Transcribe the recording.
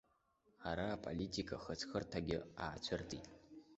Ара политика хыҵхырҭакгьы аацәырҵит.